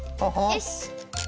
よし。